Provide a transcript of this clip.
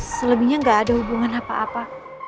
selebihnya nggak ada hubungan apa apa